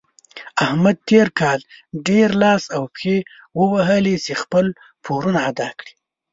احمد تېر کار ډېر لاس او پښې ووهلې چې خپل پورونه ادا کړي.